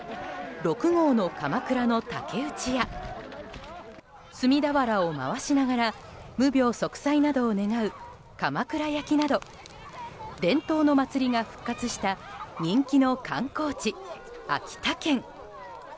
六郷のカマクラの竹うちや炭俵を回しながら無病息災などを願うかまくらやきなど伝統の祭りが復活した人気の観光地・秋田県。